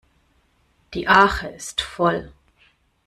Die Arche ist voll.